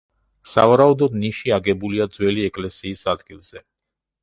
სავარაუდოდ ნიში აგებულია ძველი ეკლესიის ადგილზე.